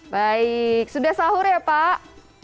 baik sudah sahur ya pak